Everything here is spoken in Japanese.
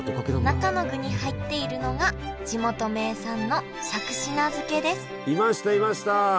中の具に入っているのが地元名産のいましたいました！